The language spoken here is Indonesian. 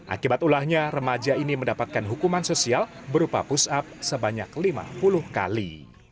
akibat ulahnya remaja ini mendapatkan hukuman sosial berupa push up sebanyak lima puluh kali